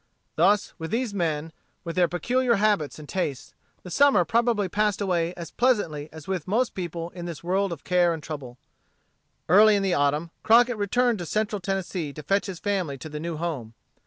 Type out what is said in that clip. Thus with these men, with their peculiar habits and tastes, the summer probably passed away as pleasantly as with most people in this world of care and trouble. Early in the autumn, Crockett returned to Central Tennessee to fetch his family to the new home.